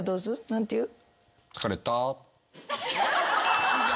何て言う？